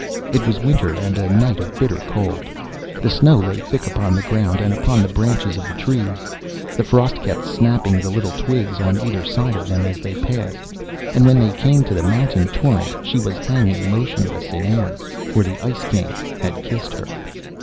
It was winter, and a night of bitter cold. The snow lay thick upon the ground, and upon the branches of the trees: the frost kept snapping the little twigs on either side of them, as they passed: and when they came to the Mountain Torrent she was hanging motionless in air, for the Ice King had kissed her.